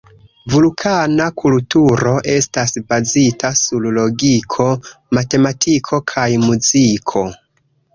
Vulkana kulturo estas bazita sur logiko, matematiko kaj muziko.